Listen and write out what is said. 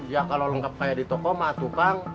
ya kalau lengkap kayak di toko mah atukang